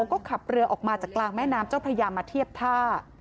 ก็ขับเรือออกมาจากกลางแม่น้ำเจ้าพระยามาเทียบท่า